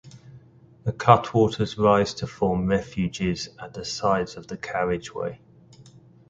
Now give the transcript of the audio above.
The cutwaters rise to form refuges at the sides of the carriageway.